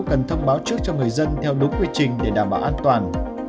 cần thông báo trước cho người dân theo đúng quy trình để đảm bảo an toàn